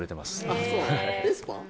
あっそうベスパ？